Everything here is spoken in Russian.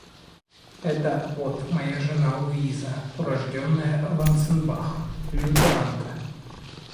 Это вот моя жена, Луиза, урождённая Ванценбах... лютеранка...